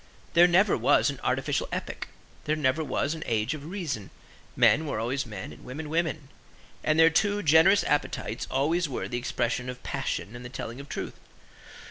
There never was an artificial epoch. There never was an age of reason. Men were always men and women women: and their two generous appetites always were the expression of passion and the telling of truth.